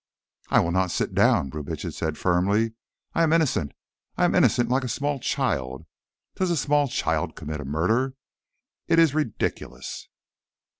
"I will not sit down," Brubitsch said firmly. "I am innocent. I am innocent like a small child. Does a small child commit a murder? It is ridiculous."